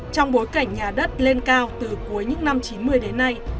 trong bối cảnh nhà đất lên cao từ cuối những năm chín mươi đến nay